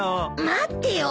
待ってよ。